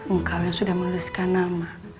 engkau yang sudah menuliskan nama